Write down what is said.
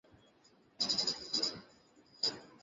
কী হয়েছে, বাবু?